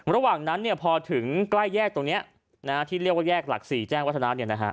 ระหว่างนั้นพอถึงใกล้แยกตรงนี้ที่เรียกว่าแยกหลัก๔แจ้งวัฒนา